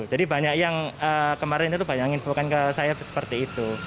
jadi banyak yang kemarin itu banyak yang menginfokan ke saya seperti itu